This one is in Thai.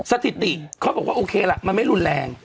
สถิติเขาบอกว่าโอเคล่ะมันไม่รุนแรง